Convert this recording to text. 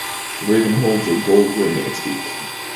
The raven holds a gold ring in its beak.